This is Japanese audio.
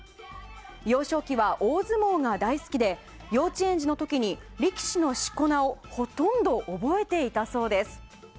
幼少期は大相撲が大好きで幼稚園児の時に力士のしこ名をほとんど覚えていたそうです。